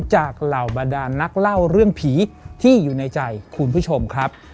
เหล่าบรรดานนักเล่าเรื่องผีที่อยู่ในใจคุณผู้ชมครับ